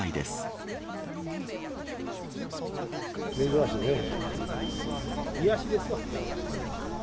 珍しいね、癒やしですわ。